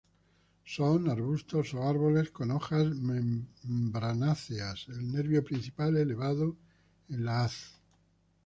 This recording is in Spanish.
Son arbustos a árboles con hojas membranáceas, el nervio principal elevado en la haz.